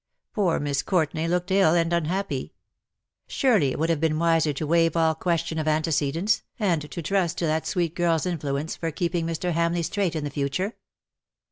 Poor Miss Courtenay looked ill and unhappy. Surely it would have been wiser to waive all question of antecedents, and to trust to AND JOY A VANE THAT VEERS." 33 that sweet girFs influence for keeping Mr. Hamleigh straight in the future.